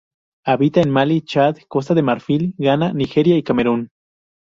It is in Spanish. Habita en Malí, Chad, Costa de Marfil, Ghana, Nigeria y Camerún.